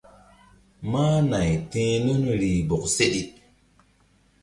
Máh nay ti̧h nun rih bɔk seɗe.